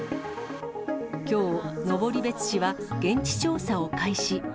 きょう、登別市は現地調査を開始。